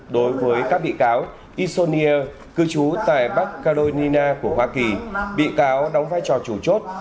đối với các bị cáo isonia cư trú tại bắc carolina của hoa kỳ bị cáo đóng vai trò chủ chốt